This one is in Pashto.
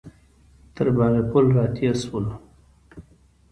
تر باغ پل راتېر شولو.